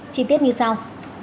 chi tiết như sau